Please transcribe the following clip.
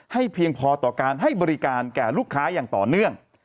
เพียงพอต่อการให้บริการแก่ลูกค้าอย่างต่อเนื่อง